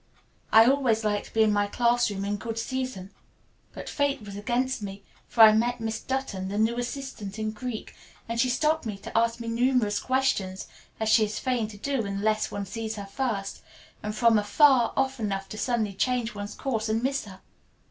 I always like to be in my classroom in good season. But fate was against me, for I met Miss Dutton, that new assistant in Greek, and she stopped me to ask me numerous questions, as she is fain to do unless one sees her first, and from afar off enough to suddenly change one's course and miss her.